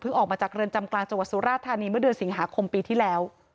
ออกมาจากเรือนจำกลางจังหวัดสุราธานีเมื่อเดือนสิงหาคมปีที่แล้ว